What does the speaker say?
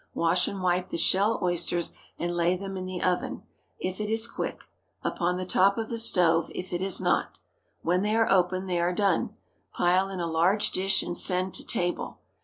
Wash and wipe the shell oysters, and lay them in the oven, if it is quick; upon the top of the stove, if it is not. When they open, they are done. Pile in a large dish and send to table.